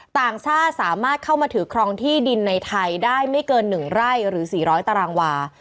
ต่างชาติสามารถเข้ามาถือครองที่ดินในไทยได้ไม่เกิน๑ไร่หรือ๔๐๐ตารางวา